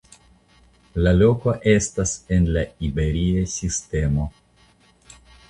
La loko estas en la Iberia Sistemo.